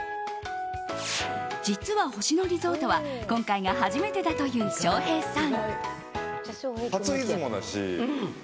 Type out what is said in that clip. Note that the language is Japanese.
実は星野リゾートは今回が初めてだという翔平さん。